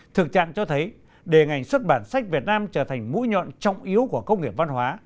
thực trạng cho thấy để ngành xuất bản sách việt nam trở thành mũi nhọn trọng yếu của công nghiệp văn hóa